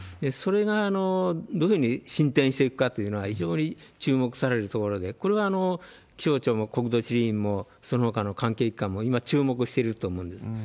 それがどういうふうに進展していくかというのは、非常に注目されるところで、これは気象庁も国土地理院もそのほかの関係機関も、今、注目してると思います。